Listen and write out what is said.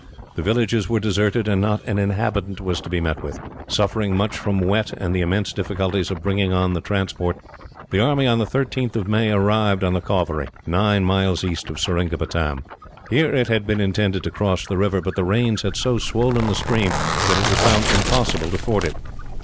The villages were deserted, and not an inhabitant was to be met with. Suffering much from wet, and the immense difficulties of bringing on the transport, the army, on the 13th of May, arrived on the Cauvery, nine miles east of Seringapatam. Here it had been intended to cross the river, but the rains had so swollen the stream that it was found impossible to ford it.